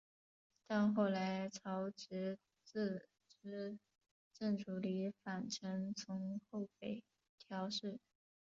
但后来朝直自资正处离反臣从后北条氏。